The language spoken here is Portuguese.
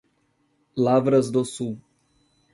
Lavras do Sul